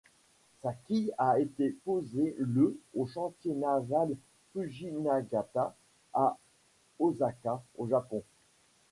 Sa quille a été posé le aux chantiers navals Fujinagata à Osaka, au Japon.